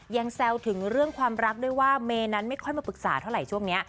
แซวถึงเรื่องความรักด้วยว่าเมย์นั้นไม่ค่อยมาปรึกษาเท่าไหร่ช่วงนี้